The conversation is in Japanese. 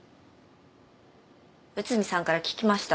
内海さんから聞きました。